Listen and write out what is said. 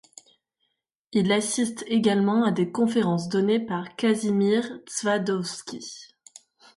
Il assiste également à des conférences données par Kazimierz Twardowski.